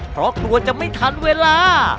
เพราะกลัวจะไม่ทันเวลา